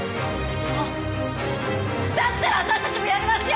だったら私たちもやりますよ！